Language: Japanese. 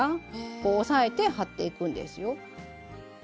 こう押さえて貼っていくんですよ。